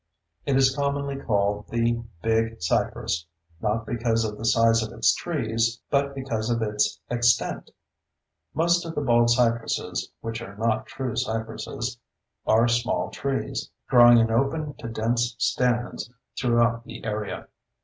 It is commonly called "The Big Cypress"—not because of the size of its trees, but because of its extent. Most of the baldcypresses (which are not true cypresses) are small trees, growing in open to dense stands throughout the area.